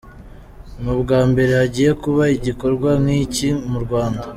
Ni ubwa mbere hagiye kuba igikorwa nk'iki mu Rwanda.